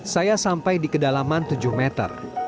saya sampai di kedalaman tujuh meter